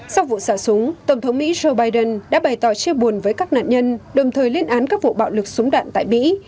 sau vụ xả súng tổng thống mỹ joe biden đã bày tỏ chia buồn với các nạn nhân đồng thời lên án các vụ bạo lực súng đạn tại mỹ